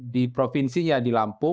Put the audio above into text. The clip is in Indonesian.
di provinsinya di lampung